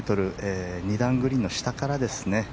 ２段グリーンの下からですね。